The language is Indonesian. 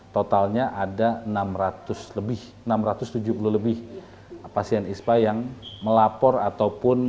totalnya ada enam ratus lebih enam ratus tujuh puluh lebih pasien ispa yang melapor ataupun